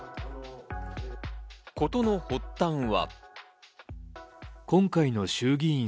事の発端は。